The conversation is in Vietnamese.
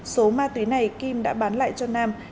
số ma túy này kim đã bán lại cho nam